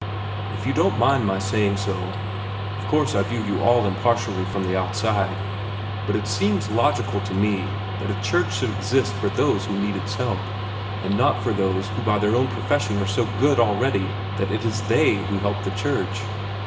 If you don't mind my saying so of course I view you all impartially from the outside but it seems logical to me that a church should exist for those who need its help, and not for those who by their own profession are so good already that it is they who help the church.